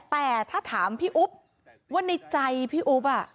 แต่ถ้าถามพี่อุ๊บว่าในใจพี่อุ๊บ